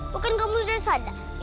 bukan kamu sudah sadar